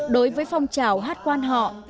đối với phong trào hát quan họ